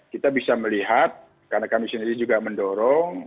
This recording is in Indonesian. kita bisa melihat karena kami sendiri juga mendorong